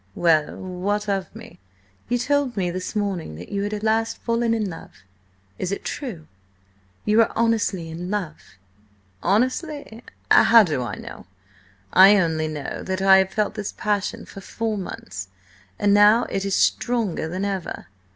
"Well? What of me?" "You told me this morning that you had at last fallen in love. It is true? You are honestly in love?" "Honestly? How do I know? I only know that I have felt this passion for four months, and now it is stronger than ever.